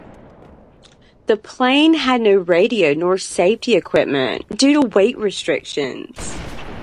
The plane had no radio nor safety equipment, due to weight restrictions.